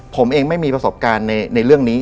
ผมเองไม่มีประสบการณ์ในเรื่องนี้